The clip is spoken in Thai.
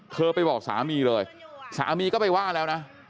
ไปบอกสามีเลยสามีก็ไปว่าแล้วนะ